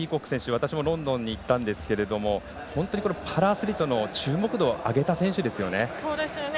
私もロンドンに行ったんですが本当にパラアスリートの注目度を上げた選手ですよね。